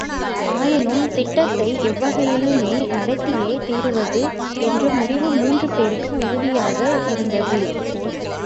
ஆயினும் திட்டத்தை எவ்வகையிலேனும் நடத்தியே தீருவது என்ற முடிவு மூன்று பேருக்கும் உறுதியாக இருந்தது.